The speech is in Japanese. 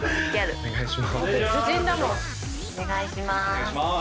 お願いします。